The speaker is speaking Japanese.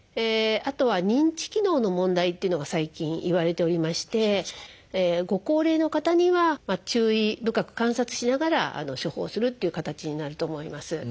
あとは認知機能の問題っていうのが最近いわれておりましてご高齢の方には注意深く観察しながら処方するっていう形になると思います。